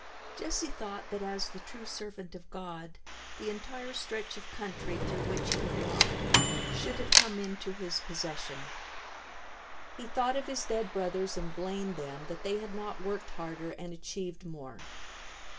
Jesse thought that as the true servant of God the entire stretch of country through which he had walked should have come into his possession. He thought of his dead brothers and blamed them that they had not worked harder and achieved more.